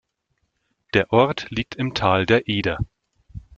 Der Ort liegt im Tal der Eder.